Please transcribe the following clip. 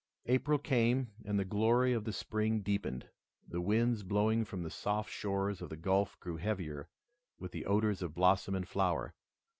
April came, and the glory of the spring deepened. The winds blowing from the soft shores of the Gulf grew heavier with the odors of blossom and flower.